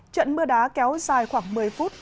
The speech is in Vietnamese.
trận mưa đá kéo dài khoảng một mươi phút